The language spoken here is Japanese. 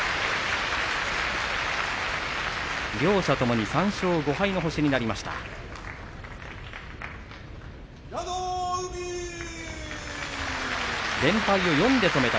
両者ともに３勝５敗の星になりました。